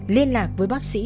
liên lạc với bác sĩ